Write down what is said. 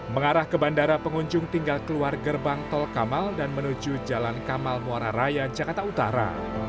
mengarah ke bandara pengunjung tinggal keluar gerbang tol kamal dan menuju jalan kamal muara raya jakarta utara